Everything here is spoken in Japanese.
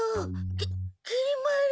きっきり丸。